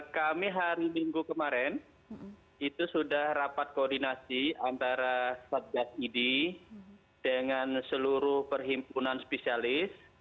kami hari minggu kemarin itu sudah rapat koordinasi antara satgas idi dengan seluruh perhimpunan spesialis